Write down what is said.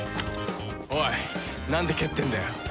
おいなんで蹴ってんだよ？